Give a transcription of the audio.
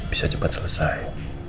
bisa cepat selesai